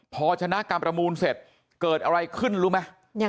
พอชนะการประมูลเสร็จเกิดอะไรขึ้นรู้ไหม